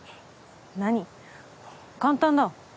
何簡単だ。